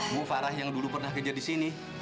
bu farah yang dulu pernah kerja di sini